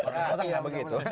masak nggak begitu